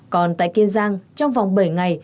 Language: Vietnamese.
còn tại kiên giang trong vòng bảy ngày